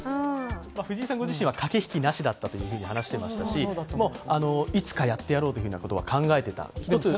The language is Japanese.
藤井さんご自信は駆け引きなしだったと話していますし、いつかやってやろうということは考えていたと。